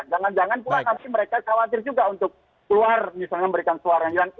jangan jangan pula nanti mereka khawatir juga untuk keluar misalnya memberikan suara yang hilang